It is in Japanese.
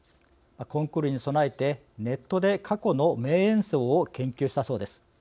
コンクールに備えてネットで過去の名演奏を研究したそうです。